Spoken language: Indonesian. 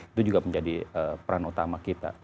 itu juga menjadi peran utama kita